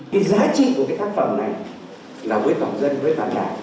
cái giá trị của cái tác phẩm này là với tổng dân với toàn đảng